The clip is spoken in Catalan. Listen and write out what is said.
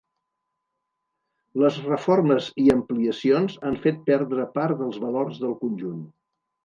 Les reformes i ampliacions han fet perdre part dels valors del conjunt.